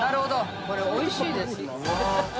これ、おいしいですもん。